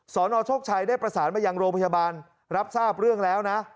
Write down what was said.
สนโชคชัยได้ประสานมายังโรงพยาบาลรับทราบเรื่องแล้วนะ